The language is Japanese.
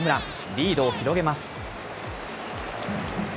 リードを広げます。